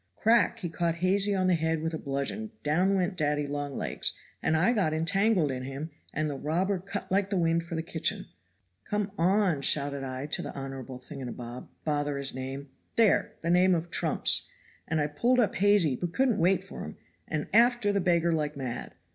Crack he caught Hazy on the head with a bludgeon, down went daddy long legs, and I got entangled in him, and the robber cut like the wind for the kitchen. 'Come on,' shouted I to the honorable thingunibob, bother his name there the knave of trumps, and I pulled up Hazy but couldn't wait for him, and after the beggar like mad.